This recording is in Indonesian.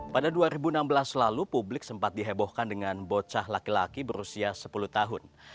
pada dua ribu enam belas lalu publik sempat dihebohkan dengan bocah laki laki berusia sepuluh tahun